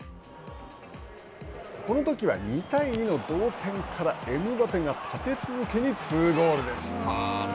このときは２対２の同点からエムバペが立て続けに２ゴールでした。